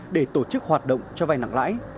để tổ chức hoạt động cho vay nặng lãi